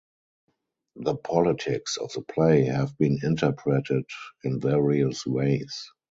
The politics of the play have been interpreted in various ways.